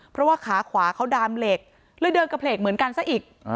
เพราะว่าขาขวาเขาดามเหล็กเลยเดินกระเพลกเหมือนกันซะอีก